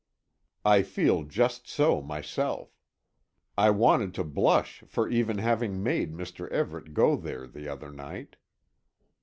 I feel just so myself. I wanted to blush for even having made Mr. Everet go there the other night.